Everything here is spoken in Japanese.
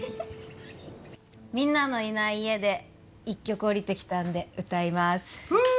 みんなのいない家で１曲おりてきたんで歌いますフ！